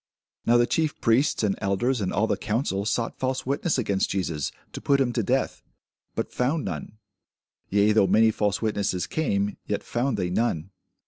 Now the chief priests, and elders, and all the council, sought false witness against Jesus, to put him to death; but found none: yea, though many false witnesses came, yet found they none.